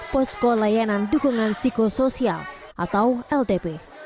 posko layanan dukungan psikosoial atau ltp